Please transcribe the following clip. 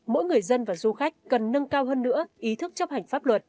mỗi người dân và du khách cần nâng cao hơn nữa ý thức chấp hành pháp luật